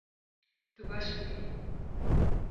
Tu baş bûyî